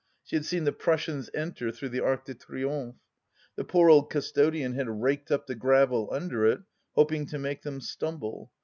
She had seen the Prussians enter through the Arc de Triomphe. The poor old custodian had raked up the gravel under it, hoping to make them stumble.